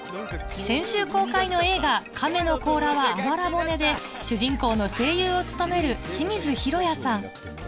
先週公開の映画『カメの甲羅はあばら骨』で主人公の声優を務める清水尋也さん